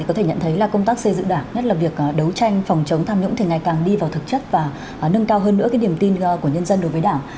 có thể nhận thấy là công tác xây dựng đảng nhất là việc đấu tranh phòng chống tham nhũng thì ngày càng đi vào thực chất và nâng cao hơn nữa cái niềm tin của nhân dân đối với đảng